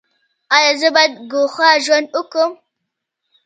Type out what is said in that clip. ایا زه باید ګوښه ژوند وکړم؟